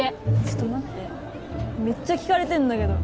ちょっと待ってめっちゃ聞かれてんだけど